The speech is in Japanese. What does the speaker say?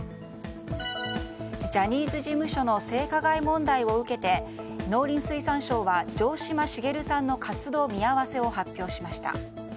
ジャニーズ事務所の性加害問題を受けて農林水産省は、城島茂さんの活動見合わせを発表しました。